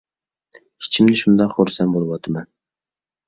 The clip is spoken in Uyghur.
ئىچىمدە شۇنداق خۇرسەن بولۇۋاتىمەن